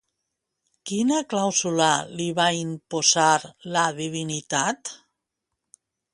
Quina clàusula li va imposar la divinitat?